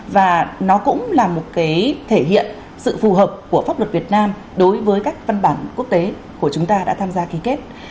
và nó cũng là một cái thể hiện sự phù hợp của pháp luật việt nam đối với các văn bản quốc tế của chúng ta đã tham gia ký kết